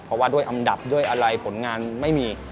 เพราะว่าด้วยอันดับด้วยอะไรผลงานไม่มี